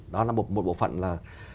đó là một bộ phận là